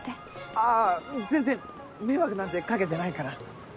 あぁ全然迷惑なんてかけてないから。